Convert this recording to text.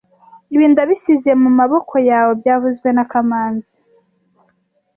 Ibi ndabisize mumaboko yawe byavuzwe na kamanzi